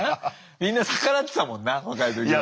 みんな逆らってたもんな若い時は。